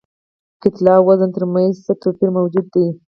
کتلې او وزن تر منځ څه توپیر موجود دی؟